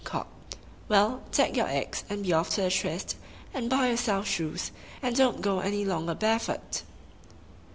Cock —Well, take your eggs, and be off to the tryst, and buy yourself shoes, and don't go any longer barefoot!